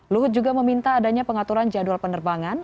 luhut juga meminta adanya pengaturan jadwal penerbangan